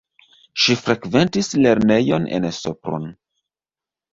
Ŝi frekventis lernejon en Sopron.